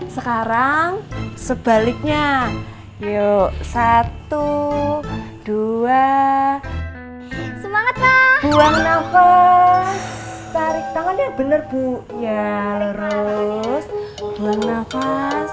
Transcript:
sekarang sebaliknya yuk dua belas semangatlah buang nafas tarik tangannya bener bu ya harus menafas